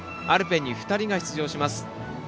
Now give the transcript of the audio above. アルペンに２人が出場します。